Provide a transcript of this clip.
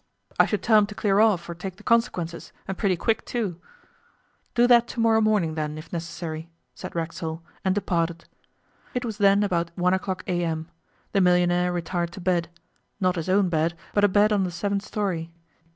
'I should tell him to clear off or take the consequences, and pretty quick too.' 'Do that to morrow morning, then, if necessary,' said Racksole, and departed. It was then about one o'clock a.m. The millionaire retired to bed not his own bed, but a bed on the seventh storey.